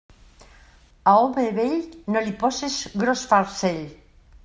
A home vell, no li poses gros farcell.